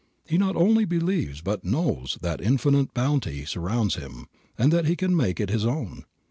He not only believes but knows that infinite bounty surrounds him, and that he can make it his own.